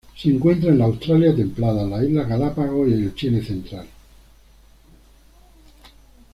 Se encuentra en el Australia templada, las Islas Galápagos y el Chile central.